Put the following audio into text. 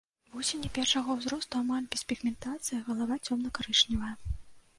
Вусені першага ўзросту амаль без пігментацыі, галава цёмна-карычневая.